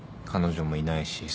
彼女もいないし。